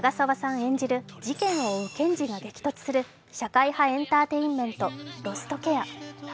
演じる事件を追う検事が激突する社会派エンターテインメント「ロストケア」。